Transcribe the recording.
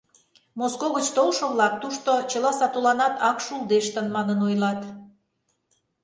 Моско гыч толшо-влак «тушто чыла сатуланат ак шулдештын» манын ойлат.